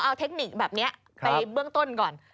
เอาเทคนิคแบบนี้ไปเบื้องต้นก่อน